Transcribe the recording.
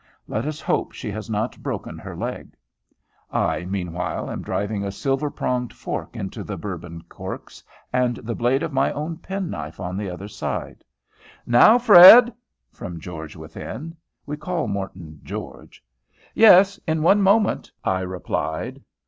Let us hope she has not broken her leg. I meanwhile am driving a silver pronged fork into the Bourbon corks, and the blade of my own penknife on the other side. "Now, Fred," from George within. (We all call Morton "George.") "Yes, in one moment," I replied.